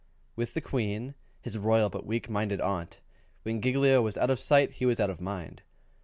With the Queen, his royal but weak minded aunt, when Giglio was out of sight he was out of mind.